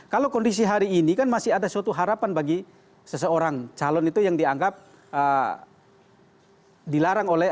kalau kondisi hari ini kan masih ada suatu harapan bagi seseorang calon itu yang dianggap dilarang oleh